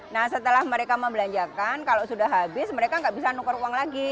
nah setelah mereka membelanjakan kalau sudah habis mereka nggak bisa nukar uang lagi